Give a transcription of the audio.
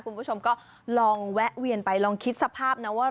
คุณผู้ชมก็ลองแวะเวียนไปลองคิดสภาพนะว่า